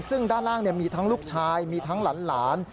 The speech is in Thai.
ซึ่งด้านล่างมีทั้งลูกชายมีทั้งหลาน